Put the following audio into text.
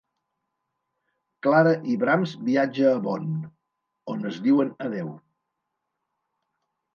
Clara i Brahms viatge a Bonn, on es diuen adéu.